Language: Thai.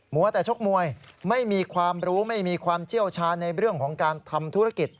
หัวแต่ชกมวยไม่มีความรู้ไม่มีความเชี่ยวชาญในเรื่องของการทำธุรกิจ